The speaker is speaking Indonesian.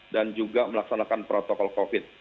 dan juga melaksanakan protokol covid sembilan belas